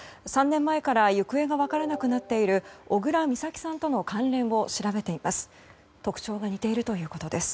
３年前から行方が分からなくなっている小倉美咲さんとの関連を調べています。